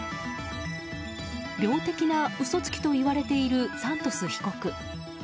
病的な嘘つきといわれているサントス被告。